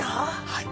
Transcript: はい。